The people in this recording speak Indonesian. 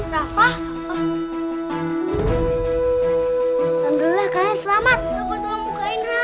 rafa kok kalian masih selamat sih